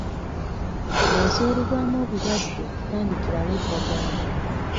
Bw'ozuulibwamu obulwadde, tandikirawo eddagala.